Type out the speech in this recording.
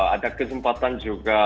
ada kesempatan juga